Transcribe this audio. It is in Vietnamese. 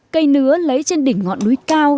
cây nứa lấy trên đỉnh ngọn núi cao